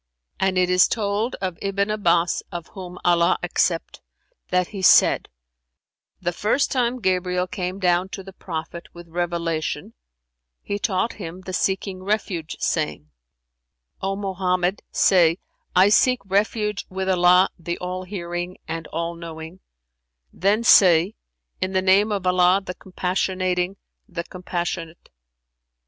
And it is told of Ibn Abbas[FN#364] (of whom Allah accept!) that he said, 'The first time Gabriel came down to the Prophet with revelation he taught him the 'seeking refuge,' saying, 'O Mohammed, say, I seek refuge with Allah the All hearing and All knowing;' then say, 'In the name of Allah the Compassionating, the Compassionate!'